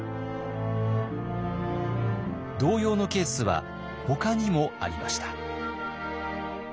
同様のケースはほかにもありました。